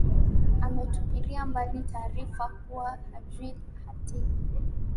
ametupilia mbali taarifa kuwa hajui hatima